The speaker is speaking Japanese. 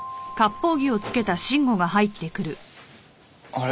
あれ？